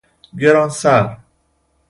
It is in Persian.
گرانسر